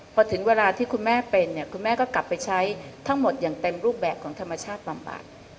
พอถึงเวลาที่คุณแม่เป็นเนี่ยคุณแม่ก็กลับไปใช้ทั้งหมดอย่างเต็มรูปแบบของธรรมชาติบำบัด